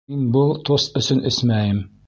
Мин был тост өсөн эсмәйем.